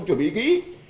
chuẩn bị kỹ